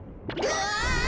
うわ！